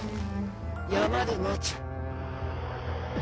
山で待つ。